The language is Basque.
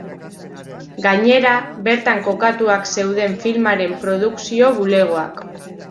Gainera, bertan kokatuak zeuden filmaren produkzio bulegoak.